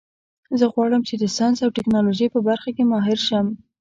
زه غواړم چې د ساینس او ټکنالوژۍ په برخه کې ماهر شم